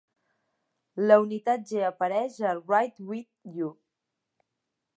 La Unitat G apareix a "Ride Wit U".